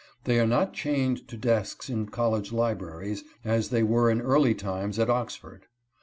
They are not chained to desks in college libraries, as they were in early times at Oxford.